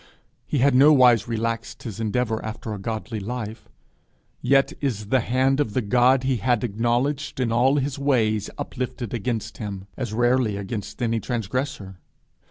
He had nowise relaxed his endeavour after a godly life, yet is the hand of the God he had acknowledged in all his ways uplifted against him, as rarely against any transgressor!